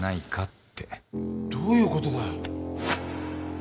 どういうことだよ？